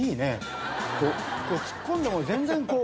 ツッコんでも全然こう。